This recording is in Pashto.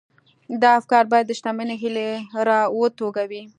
دا افکار بايد د شتمنۍ هيلې را وټوکوي.